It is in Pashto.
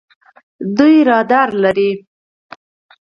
دوی رادار لري.